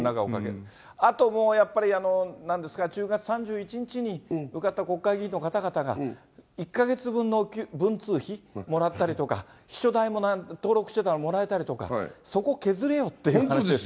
あともうやっぱりなんですか、１０月３１日に受かった国会議員の方々が、１か月分の文通費もらったりとか、秘書代も登録してたらもらえたりとか、そこ削れよっていう話です